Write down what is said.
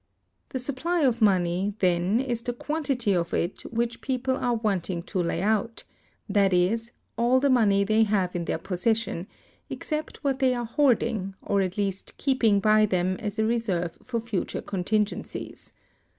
The supply of money, then, is the quantity of it which people are wanting to lay out; that is, all the money they have in their possession, except what they are hoarding, or at least keeping by them as a reserve for future contingencies.